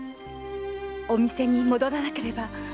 お店に戻らなければ。